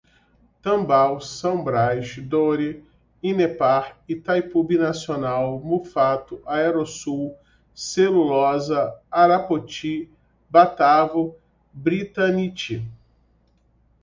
Tambaú, São Braz, Dore, Inepar, Itaipu Binacional, Muffato, Aerosul, Celulosa, Arapoti, Batavo, Britanite